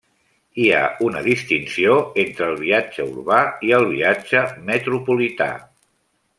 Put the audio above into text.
Hi ha una distinció entre el viatge urbà i el viatge metropolità.